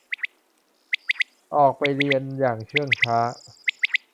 ออกไปเรียนอย่างเชื่องช้า